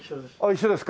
一緒ですか。